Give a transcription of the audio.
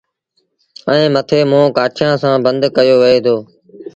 ائيٚݩ مٿي منهن ڪآٺيٚآن سآݩ بند ڪيو وهي دو۔